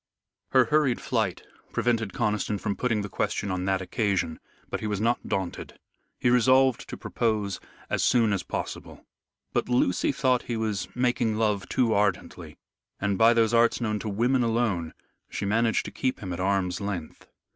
Her hurried flight prevented Conniston from putting the question on that occasion. But he was not daunted. He resolved to propose as soon as possible. But Lucy thought he was making love too ardently, and by those arts known to women alone, she managed to keep him at arm's length.